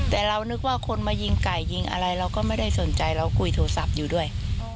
แต่เรานึกว่าคนมายิงไก่ยิงอะไรเราก็ไม่ได้สนใจเราคุยโทรศัพท์อยู่ด้วย